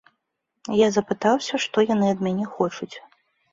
Я запытаўся, што яны ад мяне хочуць.